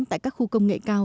tại các khu công nghệ cao